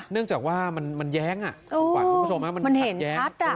เนื่องจากว่ามันมันแย้งอ่ะคุณผู้ชมนะมันเห็นชัดอ่ะ